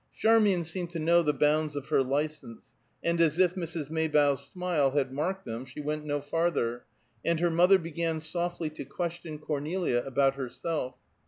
Charmian seemed to know the bounds of her license, and as if Mrs. Maybough's smile had marked them, she went no farther, and her mother began softly to question Cornelia about herself.